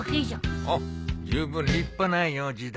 おうじゅうぶん立派な用事だ。